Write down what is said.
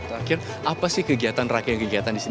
akhir apa sih kegiatan rakinan kegiatan di sini